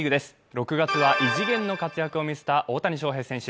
６月は異次元の活躍を見せた大谷翔平選手。